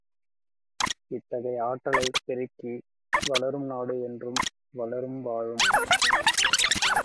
இத்தகைய ஆற்றலைப் பெருக்கி வளரும் நாடு என்றும் வளரும் வாழும்.